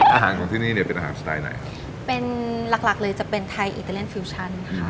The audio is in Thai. อาหารของที่นี่เนี่ยเป็นอาหารสไตล์ไหนเป็นหลักหลักเลยจะเป็นไทยอิตาเลียนฟิวชั่นค่ะ